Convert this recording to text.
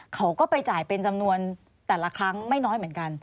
เขาก็ไปจ่ายเป็นจำนวนแต่ละครั้งไม่น้อยเหมือนกัน